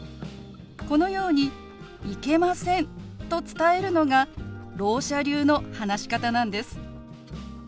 このように「行けません」と伝えるのがろう者流の話し方なんです。